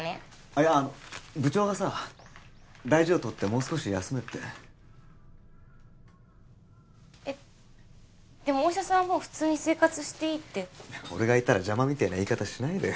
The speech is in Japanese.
いや部長がさ大事をとってもう少し休めってえッでもお医者さんはもう普通に生活していいって俺がいたら邪魔みてえな言い方しないでよ